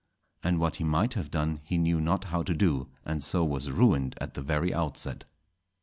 And what he might have done he knew not how to do, and so was ruined at the very outset.